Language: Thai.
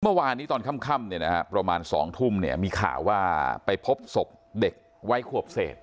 เมื่อวานนี้ตอนค่ำเนี่ยนะครับประมาณสองทุ่มเนี่ยมีข่าวว่าไปพบศพเด็กไว้ควบเศษ